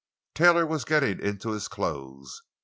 Taylor was getting into his clothes.